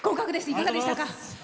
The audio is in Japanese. いかがでしたか？